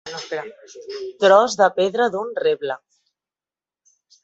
Tros de pedra d'un reble.